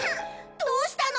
どうしたの？